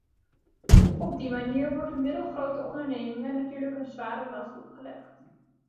Op die manier wordt de middelgrote ondernemingen natuurlijk een zware last opgelegd.